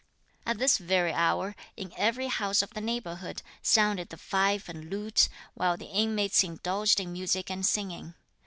At this very hour, in every house of the neighbourhood, sounded the fife and lute, while the inmates indulged in music and singing.